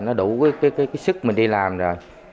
nó đủ cái sức mình đi làm rồi